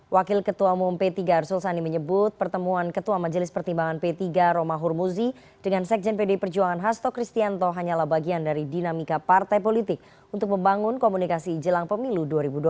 wakil ketua umum p tiga arsul sani menyebut pertemuan ketua majelis pertimbangan p tiga roma hurmuzi dengan sekjen pdi perjuangan hasto kristianto hanyalah bagian dari dinamika partai politik untuk membangun komunikasi jelang pemilu dua ribu dua puluh empat